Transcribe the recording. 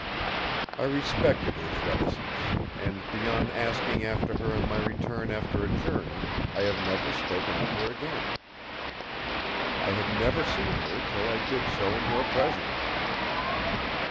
I respected his reticence; and beyond asking after her on my return after a journey, I have never spoken of her again. I had never seen her till I did so in your presence.